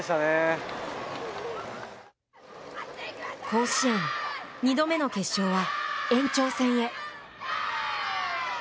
甲子園、２度目の決勝は、延長戦へ。